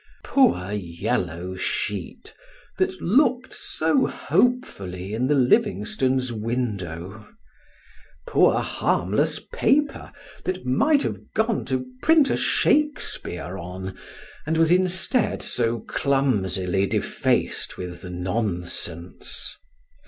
Poor yellow sheet, that looked so hopefully in the Livingstones' window! Poor, harmless paper, that might have gone to print a Shakespeare on, and was instead so clumsily defaced with nonsense!